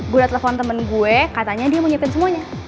gue udah telepon temen gue katanya dia nyiapin semuanya